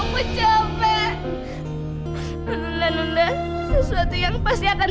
bukan sama kamu